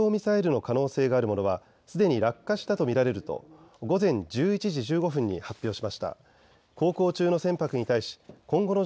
海上保安庁は防衛省からの情報として弾道ミサイルの可能性があるものはすでに落下したと見られると午前１１時１５分に発表しました。